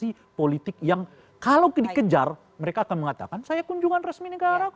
rangka mobilisasi politik yang kalau dikejar mereka akan mengatakan saya kunjungan resmi negara kok